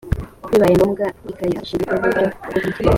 bibaye ngombwa ikayiha inshingano n uburyo bwo kurya